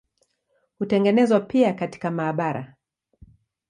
Hutengenezwa pia katika maabara.